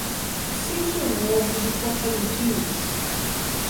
Sítio Novo do Tocantins